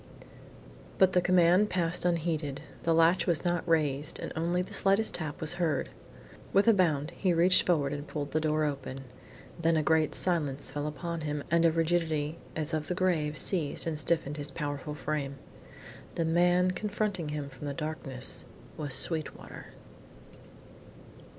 But the command passed unheeded; the latch was not raised, and only the slightest tap was heard. With a bound he reached forward and pulled the door open. Then a great silence fell upon him and a rigidity as of the grave seized and stiffened his powerful frame. The man confronting him from the darkness was Sweetwater.